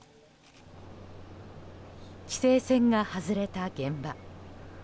規制線が外れた現場。